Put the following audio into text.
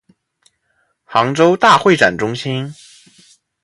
杭州大会展中心